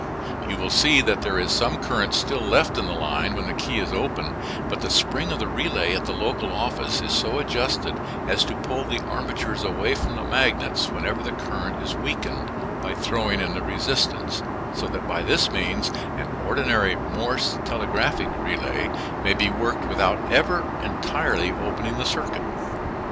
You will see that there is some current still left in the line when the key is open, but the spring of the relay at the local office is so adjusted as to pull the armatures away from the magnets whenever the current is weakened by throwing in the resistance, so that by this means an ordinary Morse telegraphic relay may be worked without ever entirely opening the circuit.